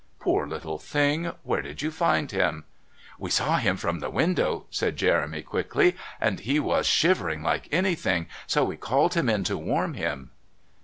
Poor little thing. Where did you find him?" "We saw him from the window," said Jeremy quickly, "and he was shivering like anything, so we called him in to warm him."